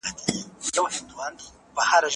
ولي کورني شرکتونه خوراکي توکي له پاکستان څخه واردوي؟